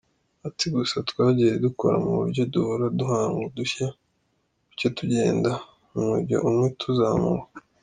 Ati “Gusa, twagiye dukora mu buryo duhora duhanga udushya, bityo tugenda umujyo umwe tuzamuka.